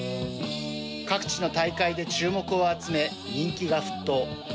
各地の大会で注目を集め人気が沸騰。